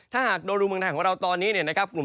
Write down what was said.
ถ้าหากโดรูปเมืองต่างกว่าเราตอนนี้เนี่ยนะครับ